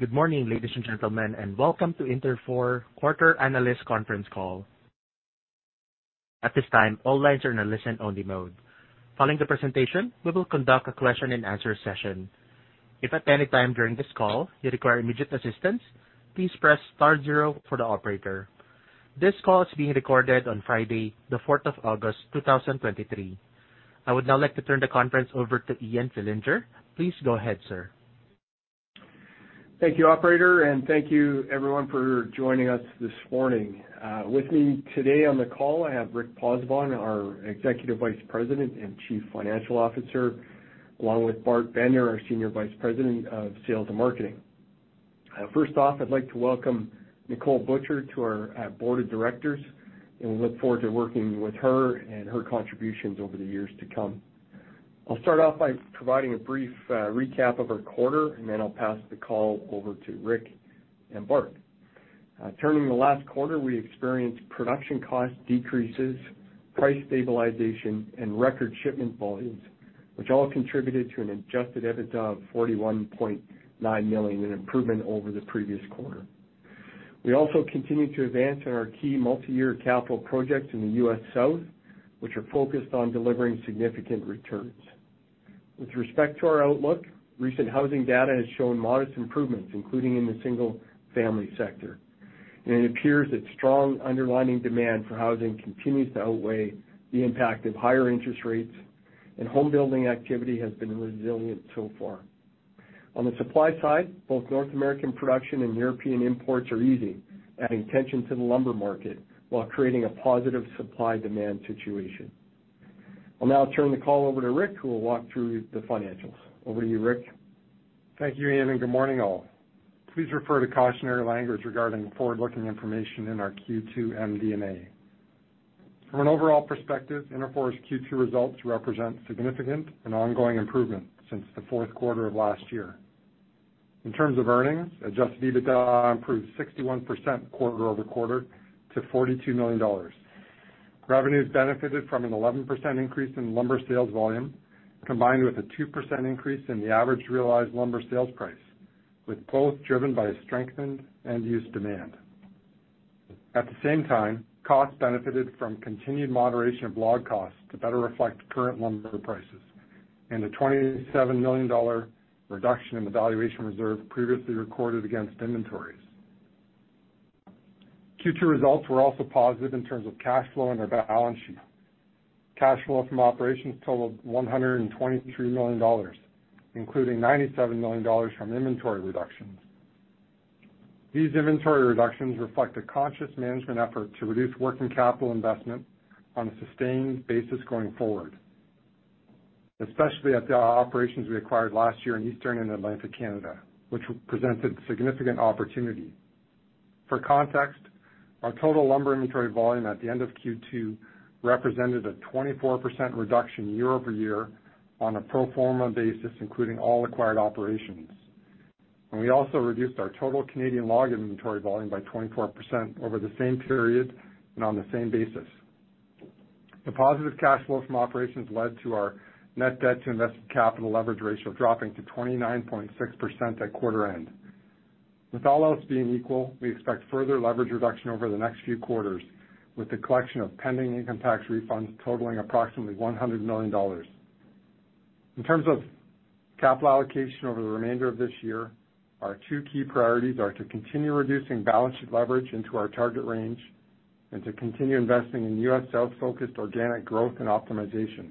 Good morning, ladies and gentlemen. Welcome to Interfor Quarter Analyst Conference Call. At this time, all lines are in a listen-only mode. Following the presentation, we will conduct a question-and-answer session. If at any time during this call you require immediate assistance, please press star zero for the operator. This call is being recorded on Friday, the fourth of August, 2023. I would now like to turn the conference over to Ian Fillinger. Please go ahead, sir. Thank you, operator. Thank you everyone for joining us this morning. With me today on the call, I have Rick Pozzebon, our Executive Vice President and Chief Financial Officer, along with Bart Bender, our Senior Vice President of Sales and Marketing. First off, I'd like to welcome Nicolle Butcher to our board of directors. We look forward to working with her and her contributions over the years to come. I'll start off by providing a brief recap of our quarter. Then I'll pass the call over to Rick and Bart. Turning to the last quarter, we experienced production cost decreases, price stabilization, and record shipment volumes, which all contributed to an adjusted EBITDA of 41.9 million, an improvement over the previous quarter. We also continued to advance on our key multi-year capital projects in the US South, which are focused on delivering significant returns. With respect to our outlook, recent housing data has shown modest improvements, including in the single-family sector, and it appears that strong underlying demand for housing continues to outweigh the impact of higher interest rates, and home building activity has been resilient so far. On the supply side, both North American production and European imports are easing, adding tension to the lumber market while creating a positive supply-demand situation. I'll now turn the call over to Rick, who will walk through the financials. Over to you, Rick. Thank you, Ian. Good morning, all. Please refer to cautionary language regarding forward-looking information in our Q2 MD&A. From an overall perspective, Interfor's Q2 results represent significant and ongoing improvement since the fourth quarter of last year. In terms of earnings, adjusted EBITDA improved 61% quarter-over-quarter to $42 million. Revenues benefited from an 11% increase in lumber sales volume, combined with a 2% increase in the average realized lumber sales price, with both driven by a strengthened end-use demand. At the same time, costs benefited from continued moderation of log costs to better reflect current lumber prices and a $27 million reduction in the valuation reserve previously recorded against inventories. Q2 results were also positive in terms of cash flow and our balance sheet. Cash flow from operations totaled $123 million, including $97 million from inventory reductions. These inventory reductions reflect a conscious management effort to reduce working capital investment on a sustained basis going forward, especially at the operations we acquired last year in Eastern and Atlantic Canada, which presented significant opportunity. For context, our total lumber inventory volume at the end of Q2 represented a 24% reduction year-over-year on a pro forma basis, including all acquired operations. We also reduced our total Canadian log inventory volume by 24% over the same period and on the same basis. The positive cash flow from operations led to our net debt to invested capital leverage ratio dropping to 29.6% at quarter end. With all else being equal, we expect further leverage reduction over the next few quarters, with the collection of pending income tax refunds totaling approximately $100 million. In terms of capital allocation over the remainder of this year, our two key priorities are to continue reducing balance sheet leverage into our target range and to continue investing in US South-focused organic growth and optimization.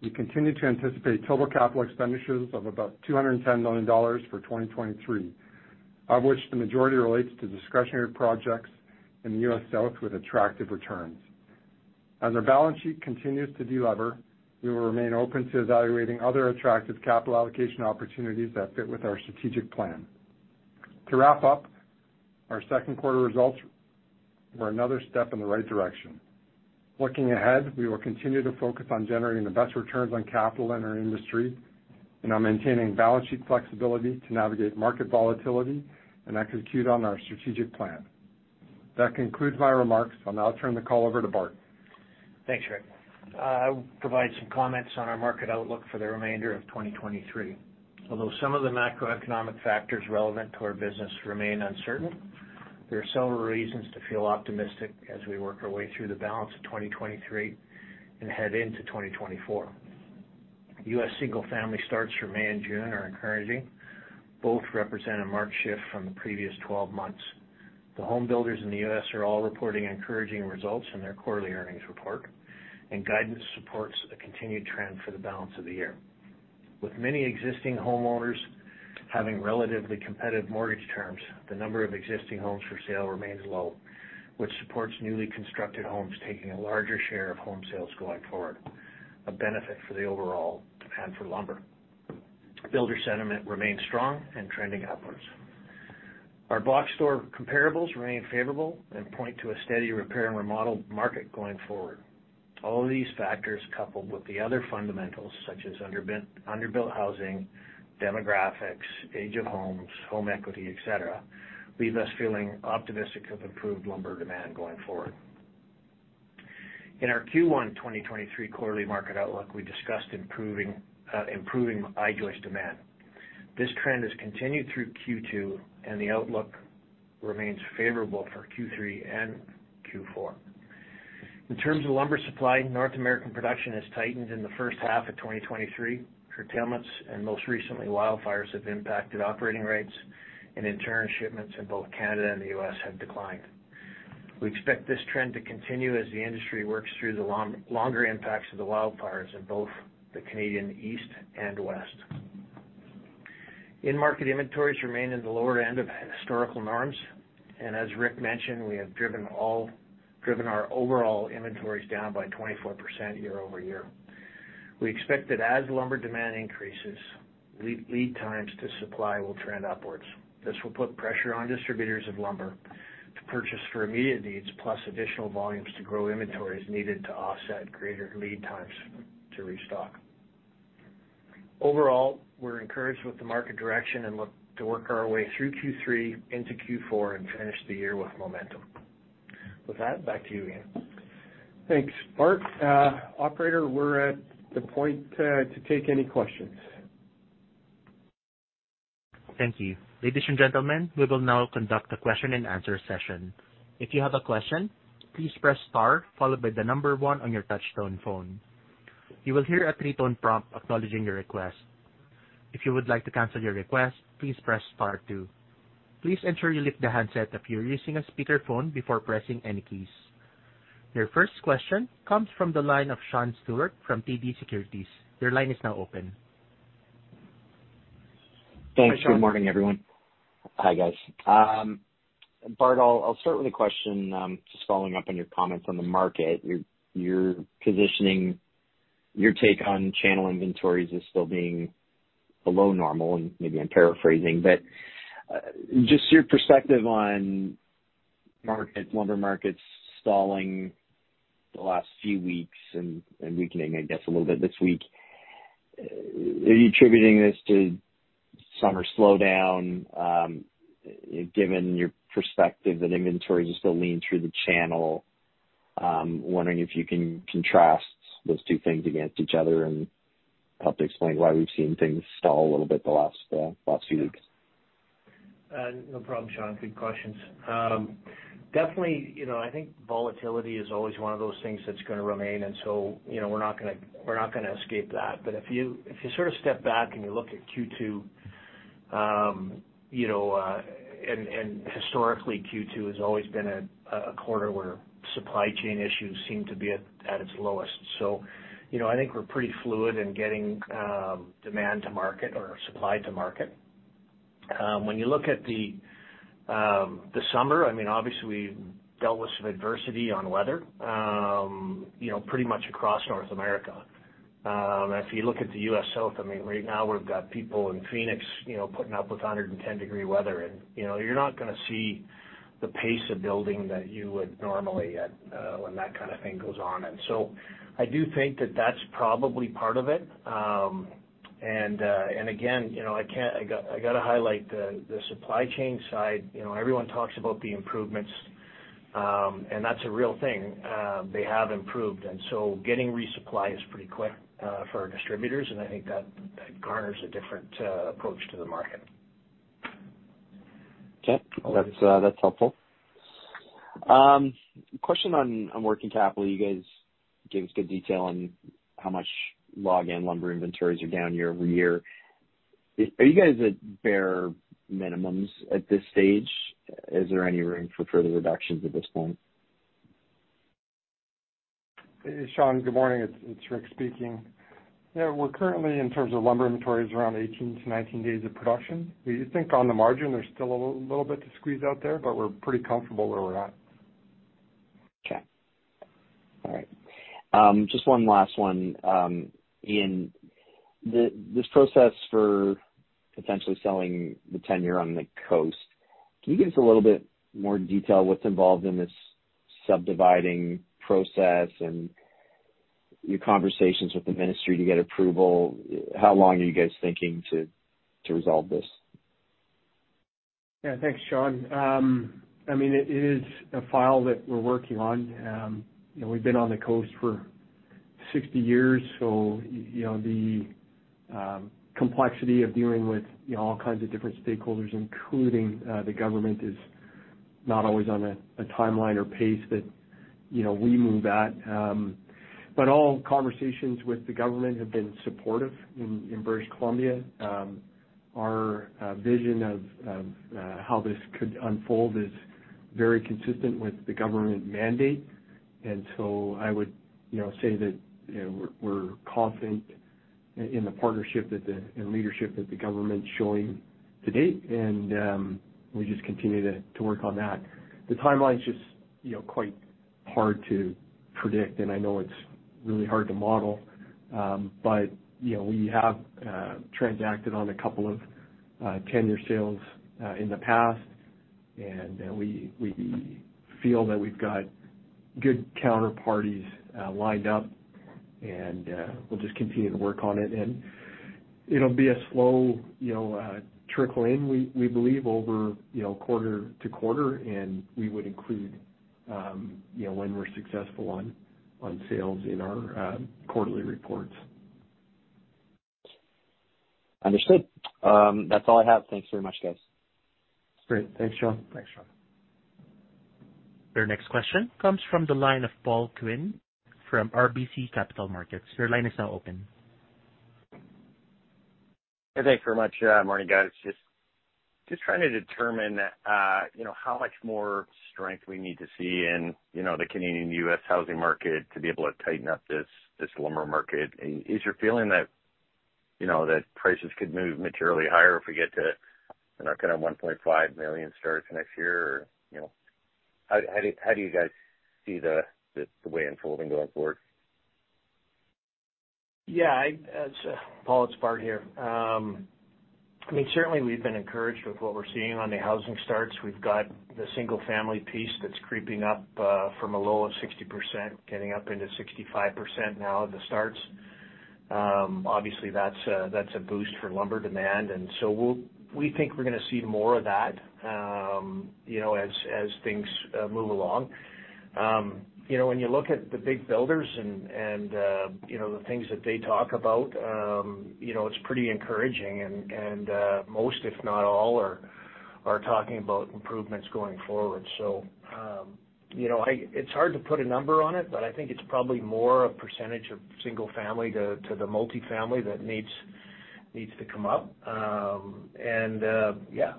We continue to anticipate total capital expenditures of about $210 million for 2023, of which the majority relates to discretionary projects in the U.S. South with attractive returns. As our balance sheet continues to delever, we will remain open to evaluating other attractive capital allocation opportunities that fit with our strategic plan. To wrap up, our second quarter results were another step in the right direction. Looking ahead, we will continue to focus on generating the best returns on capital in our industry and on maintaining balance sheet flexibility to navigate market volatility and execute on our strategic plan. That concludes my remarks. I'll now turn the call over to Bart. Thanks, Rick. I will provide some comments on our market outlook for the remainder of 2023. Although some of the macroeconomic factors relevant to our business remain uncertain, there are several reasons to feel optimistic as we work our way through the balance of 2023 and head into 2024. U.S. single-family starts for May and June are encouraging. Both represent a marked shift from the previous 12 months. The home builders in the U.S. are all reporting encouraging results in their quarterly earnings report, and guidance supports a continued trend for the balance of the year. With many existing homeowners having relatively competitive mortgage terms, the number of existing homes for sale remains low, which supports newly constructed homes taking a larger share of home sales going forward, a benefit for the overall and for lumber. Builder sentiment remains strong and trending upwards. Our box store comparables remain favorable and point to a steady repair and remodel market going forward. In our Q1 2023 quarterly market outlook, we discussed improving I-joist demand. This trend has continued through Q2, and the outlook remains favorable for Q3 and Q4. In terms of lumber supply, North American production has tightened in the first half of 2023. Curtailments, and most recently, wildfires, have impacted operating rates, and in turn, shipments in both Canada and the U.S. have declined. We expect this trend to continue as the industry works through the longer impacts of the wildfires in both the Canadian East and West. In-market inventories remain in the lower end of historical norms. As Rick mentioned, we have driven our overall inventories down by 24% year-over-year. We expect that as lumber demand increases, lead times to supply will trend upwards. This will put pressure on distributors of lumber to purchase for immediate needs, plus additional volumes to grow inventories needed to offset greater lead times to restock. Overall, we're encouraged with the market direction and look to work our way through Q3 into Q4 and finish the year with momentum. With that, back to you, Ian. Thanks, Bart. Operator, we're at the point to take any questions. Thank you. Ladies and gentlemen, we will now conduct a question and answer session. If you have a question, please press star, followed by one on your touch-tone phone. You will hear a three-tone prompt acknowledging your request. If you would like to cancel your request, please press star two. Please ensure you lift the handset if you're using a speakerphone before pressing any keys. Your first question comes from the line of Sean Steuart from TD Securities. Your line is now open. Thanks. Hi, Sean. Good morning, everyone. Hi, guys. Bart, I'll, I'll start with a question, just following up on your comments on the market. Your, your positioning, your take on channel inventories is still being below normal, and maybe I'm paraphrasing, but, just your perspective on market, lumber markets stalling the last few weeks and, and weakening, I guess, a little bit this week. Are you attributing this to summer slowdown? Given your perspective that inventories are still lean through the channel, wondering if you can contrast those two things against each other and help to explain why we've seen things stall a little bit the last, last few weeks? No problem, Sean. Good questions. Definitely, you know, I think volatility is always one of those things that's gonna remain, and so, you know, we're not gonna, we're not gonna escape that. If you, if you sort of step back and you look at Q2, you know, historically, Q2 has always been a, a quarter where supply chain issues seem to be at, at its lowest. You know, I think we're pretty fluid in getting demand to market or supply to market. When you look at the summer, I mean, obviously, we've dealt with some adversity on weather, you know, pretty much across North America. If you look at the U.S. South, I mean, right now we've got people in Phoenix, you know, putting up with 110-degree weather, and, you know, you're not gonna see the pace of building that you would normally at when that kind of thing goes on. I do think that that's probably part of it. Again, you know, I can't. I got, I gotta highlight the supply chain side. You know, everyone talks about the improvements, and that's a real thing. They have improved, getting resupply is pretty quick for our distributors, and I think that garners a different approach to the market. Okay. Okay. That's, that's helpful. Question on, on working capital? You guys gave us good detail on how much log and lumber inventories are down year-over-year. Are you guys at bare minimums at this stage? Is there any room for further reductions at this point? Hey, Sean, good morning. It's Rick speaking. Yeah, we're currently, in terms of lumber inventories, around 18-19 days of production. We think on the margin, there's still a little bit to squeeze out there, but we're pretty comfortable where we're at. Okay. All right. Just one last one. Ian, this process for potentially selling the tenure on the coast, can you give us a little bit more detail what's involved in this subdividing process and your conversations with the ministry to get approval? How long are you guys thinking to, to resolve this? Yeah, thanks, Sean. I mean, it, it is a file that we're working on. You know, we've been on the coast for 60 years, so, you know, the complexity of dealing with, you know, all kinds of different stakeholders, including the government, is not always on a timeline or pace that, you know, we move at. All conversations with the government have been supportive in British Columbia. Our vision of, of how this could unfold is very consistent with the government mandate. I would, you know, say that, you know, we're, we're confident in the partnership that and leadership that the government's showing to date. We just continue to, to work on that. The timeline's just, you know, quite hard to predict. I know it's really hard to model. You know, we have transacted on a couple of tenure sales in the past, and, and we, we feel that we've got good counterparties lined up.... and, we'll just continue to work on it, and it'll be a slow, you know, trickle in. We, we believe over, you know, quarter to quarter, and we would include, you know, when we're successful on, on sales in our, quarterly reports. Understood. That's all I have. Thanks very much, guys. Great. Thanks, Sean. Thanks, Sean. Your next question comes from the line of Paul Quinn from RBC Capital Markets. Your line is now open. Hey, thanks very much. Morning, guys. Just, just trying to determine, you know, how much more strength we need to see in, you know, the Canadian-U.S. housing market to be able to tighten up this, this lumber market. Is your feeling that, you know, that prices could move materially higher if we get to kind of 1.5 million starts next year? Or, you know, how do you guys see the, the way unfolding going forward? Yeah, I-- Paul, it's Bart here. I mean, certainly we've been encouraged with what we're seeing on the housing starts. We've got the single-family piece that's creeping up, from a low of 60%, getting up into 65% now of the starts. Obviously, that's a, that's a boost for lumber demand, and so we'll-- we think we're gonna see more of that, you know, as, as things move along. You know, when you look at the big builders and, and, you know, the things that they talk about, you know, it's pretty encouraging, and, and, most, if not all, are, are talking about improvements going forward. You know, I... It's hard to put a number on it, but I think it's probably more a percentage of single family to, to the multifamily that needs, needs to come up. Yeah,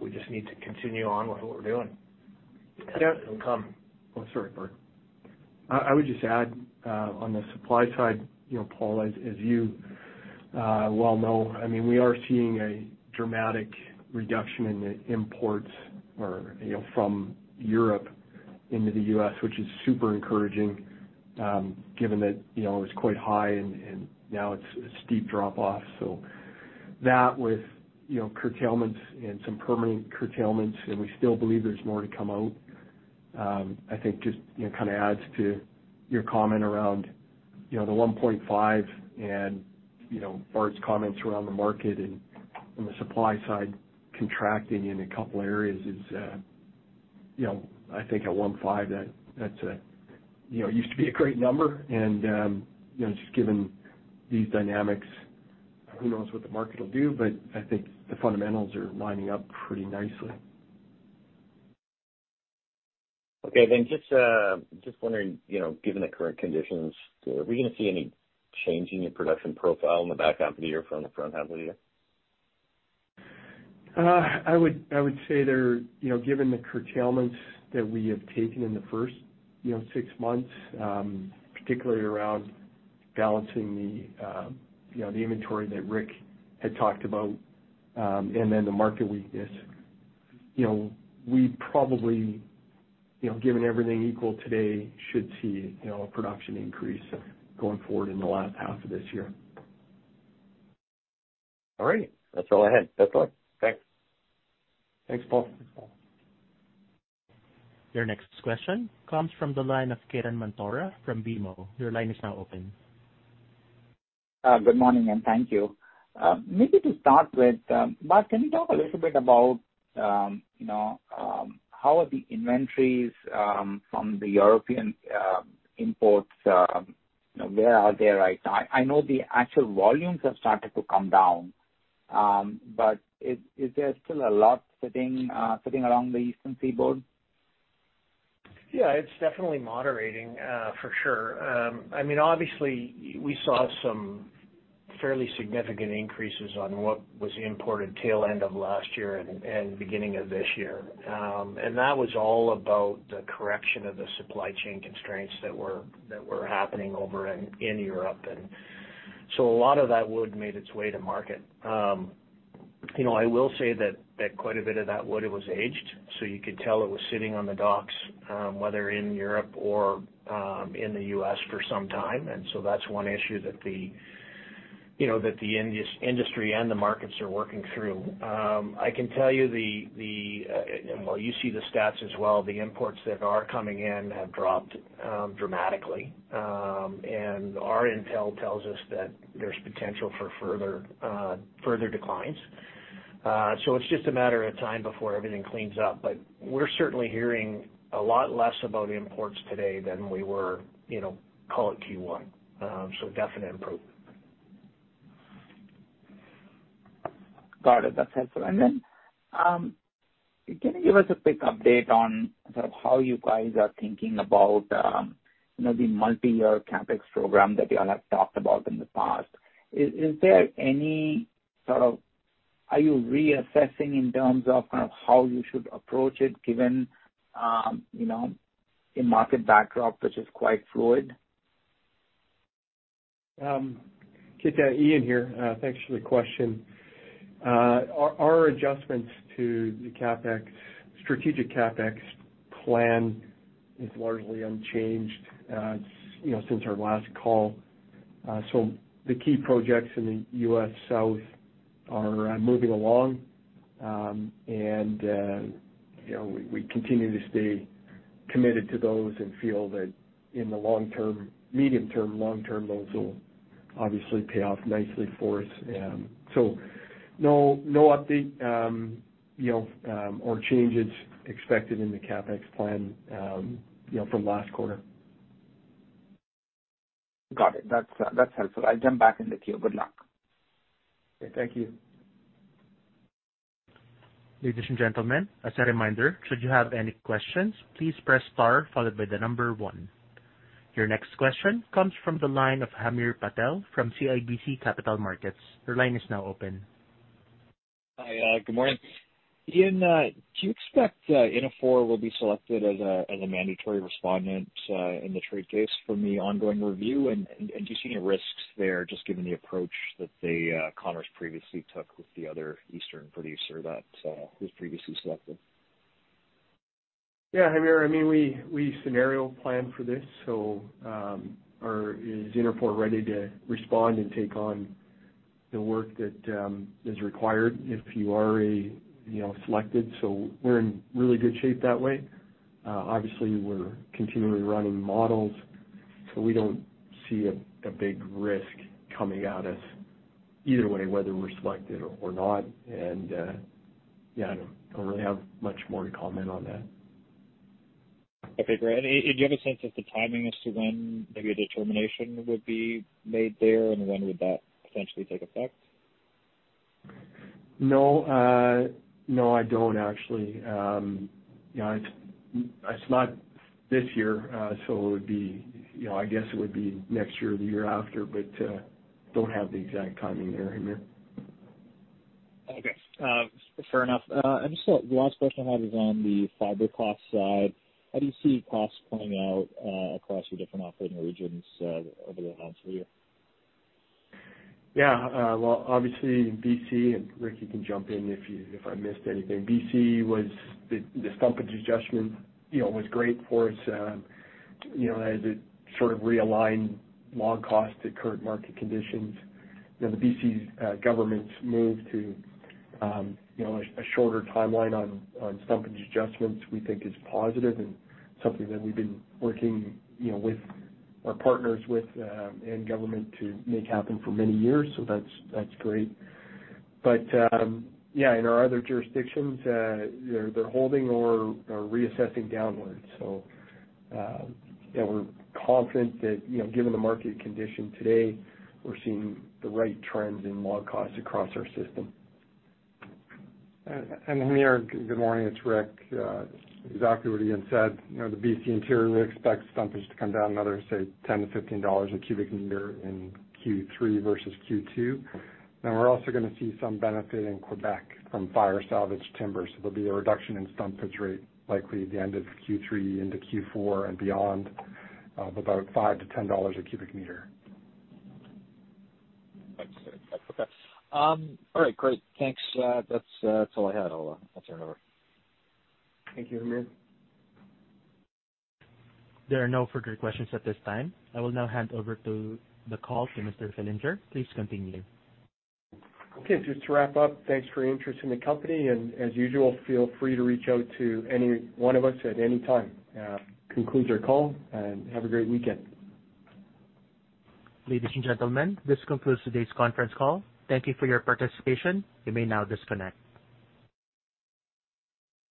we just need to continue on with what we're doing. Yeah, and Tom. Oh, sorry, Bart. I, I would just add on the supply side, you know, Paul, as, as you, well know, I mean, we are seeing a dramatic reduction in the imports or, you know, from Europe into the U.S., which is super encouraging, given that, you know, it was quite high and, and now it's a steep drop off. That with, you know, curtailments and some permanent curtailments, and we still believe there's more to come out, I think just, you know, kind of adds to your comment around, you know, the 1.5 and, you know, Bart's comments around the market and, and the supply side contracting in a couple areas is, you know, I think at 1.5, that, that's a, you know, used to be a great number and, you know, just given these dynamics, who knows what the market will do? I think the fundamentals are lining up pretty nicely. Okay. Just wondering, you know, given the current conditions, are we gonna see any change in your production profile in the back half of the year from the front half of the year? I would, I would say there, you know, given the curtailments that we have taken in the first, you know, six months, particularly around balancing the, you know, the inventory that Rick had talked about, and then the market weakness. You know, we probably, you know, given everything equal today, should see, you know, a production increase going forward in the last half of this year. All right. That's all I had. That's all. Thanks. Thanks, Paul. Thanks, Paul. Your next question comes from the line of Ketan Mamtora from BMO. Your line is now open. Good morning, and thank you. Maybe to start with, Bart, can you talk a little bit about, you know, how are the inventories from the European imports, you know, where are they right now? I know the actual volumes have started to come down, is, is there still a lot sitting, sitting along the eastern seaboard? Yeah, it's definitely moderating, for sure. I mean, obviously we saw some fairly significant increases on what was imported tail end of last year and, and beginning of this year. That was all about the correction of the supply chain constraints that were, that were happening over in Europe, and so a lot of that wood made its way to market. You know, I will say that, that quite a bit of that wood was aged, so you could tell it was sitting on the docks, whether in Europe or in the U.S. for some time, and so that's one issue that the, you know, that the industry and the markets are working through. I can tell you, Well, you see the stats as well. The imports that are coming in have dropped dramatically, and our intel tells us that there's potential for further further declines. It's just a matter of time before everything cleans up, but we're certainly hearing a lot less about imports today than we were, you know, call it Q1. Definite improvement. Got it. That's helpful. Then, can you give us a quick update on how you guys are thinking about, you know, the multi-year CapEx program that you all have talked about in the past? Is, is there any Are you reassessing in terms of kind of how you should approach it, given, you know, a market backdrop, which is quite fluid? Ketan, Ian here. Thanks for the question. Our, our adjustments to the CapEx, strategic CapEx plan is largely unchanged, you know, since our last call. The key projects in the U.S. South are moving along. You know, we, we continue to stay committed to those and feel that in the long term, medium term, long term, those will obviously pay off nicely for us. No, no update, you know, or changes expected in the CapEx plan, you know, from last quarter. Got it. That's, that's helpful. I'll jump back in the queue. Good luck. Okay, thank you. Ladies and gentlemen, as a reminder, should you have any questions, please press star followed by one. Your next question comes from the line of Hamir Patel from CIBC Capital Markets. Your line is now open. Hi, good morning. Ian, do you expect Interfor will be selected as a mandatory respondent in the trade case for the ongoing review? Do you see any risks there, just given the approach that the Commerce previously took with the other Eastern producer that was previously selected? Yeah, Hamir, I mean, we, we scenario plan for this, so, are, is Interfor ready to respond and take on the work that, is required if you are a, you know, selected? We're in really good shape that way. Obviously, we're continually running models, so we don't see a big risk coming at us either way, whether we're selected or not. Yeah, I don't really have much more to comment on that. Okay, great. Do you have a sense of the timing as to when maybe a determination would be made there, and when would that potentially take effect? No, no, I don't actually. You know, it's, it's not this year, so it would be, you know, I guess it would be next year or the year after, but don't have the exact timing there, Hamir. Okay, fair enough. Just the last question I had is on the fiber cost side. How do you see costs playing out, across the different operating regions, over the next year? Yeah, well, obviously, BC, and Rick, you can jump in if you, if I missed anything. BC was the, the stumpage adjustment, you know, was great for us. You know, as it sort of realigned log costs to current market conditions. You know, the BC's government's move to, you know, a, a shorter timeline on, on stumpage adjustments, we think is positive and something that we've been working, you know, with our partners with, and government to make happen for many years. That's, that's great. Yeah, in our other jurisdictions, they're, they're holding or, or reassessing downwards. Yeah, we're confident that, you know, given the market condition today, we're seeing the right trends in log costs across our system. Hamir, good morning, it's Rick. Exactly what Ian said, you know, the BC interior, we expect stumpage to come down another, say, $10-$15 a cubic meter in Q3 versus Q2. We're also gonna see some benefit in Quebec from fire salvaged timbers. There'll be a reduction in stumpage rate, likely at the end of Q3 into Q4 and beyond, about $5-$10 a cubic meter. That's okay. All right, great. Thanks. That's, that's all I had. I'll, I'll turn it over. Thank you, Hamir. There are no further questions at this time. I will now hand over the call to Mr. Fillinger. Please continue. Okay, just to wrap up, thanks for your interest in the company, and as usual, feel free to reach out to any one of us at any time. Concludes our call, and have a great weekend. Ladies and gentlemen, this concludes today's conference call. Thank you for your participation. You may now disconnect.